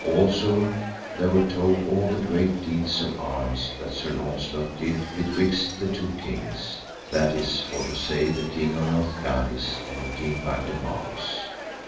Also there were told all the great deeds of arms that Sir Launcelot did betwixt the two kings, that is for to say the King of Northgalis and King Bagdemagus.